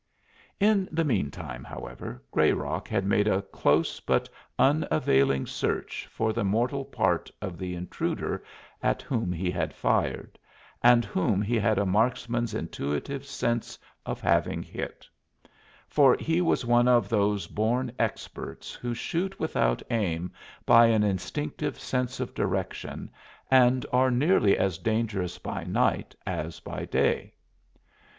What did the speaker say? In the mean time, however, Grayrock had made a close but unavailing search for the mortal part of the intruder at whom he had fired, and whom he had a marksman's intuitive sense of having hit; for he was one of those born experts who shoot without aim by an instinctive sense of direction, and are nearly as dangerous by night as by day.